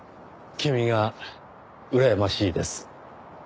君がうらやましいです。